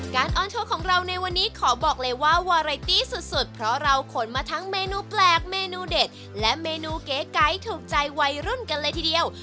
ออนทัวร์ของเราในวันนี้ขอบอกเลยว่าวาไรตี้สุดเพราะเราขนมาทั้งเมนูแปลกเมนูเด็ดและเมนูเก๋ไก๋ถูกใจวัยรุ่นกันเลยทีเดียว